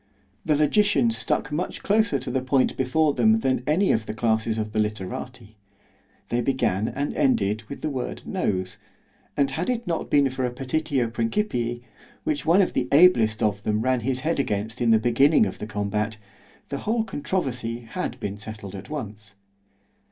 The logicians stuck much closer to the point before them than any of the classes of the literati;——they began and ended with the word Nose; and had it not been for a petitio principii, which one of the ablest of them ran his head against in the beginning of the combat, the whole controversy had been settled at once.